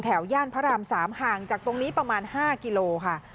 ย่านพระราม๓ห่างจากตรงนี้ประมาณ๕กิโลค่ะ